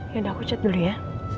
ya dah aku cat dulu ya